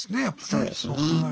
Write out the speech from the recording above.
そうですね。